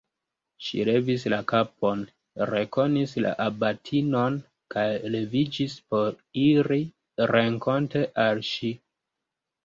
Ŝi levis la kapon, rekonis la abatinon kaj leviĝis por iri renkonte al ŝi.